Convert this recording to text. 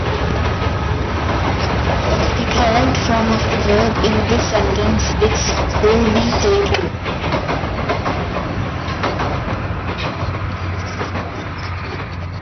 The correct form of the verb in this sentence is "will be taking".